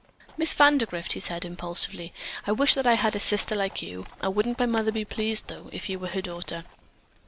"Miss Vandergrift," he said impulsively, "I wish I had a sister like you, and wouldn't my mother be pleased, though, if you were her daughter.